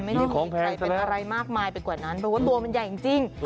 ไม่มีใครเป็นอะไรมากมายไปกว่านั้นเพราะว่าตัวมันใหญ่จริง